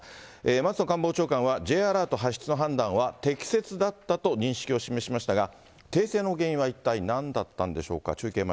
松野官房長官はＪアラート発出の判断は適切だったと認識を示しましたが、訂正の原因は一体何だったんでしょうか。